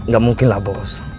gak mungkin lah bos